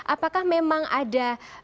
apakah memang ada